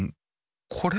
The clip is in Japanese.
これ？